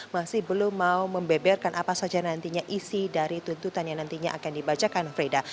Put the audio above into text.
masih belum mau membeberkan apa saja nantinya isi dari tuntutan yang nantinya akan dibacakan frida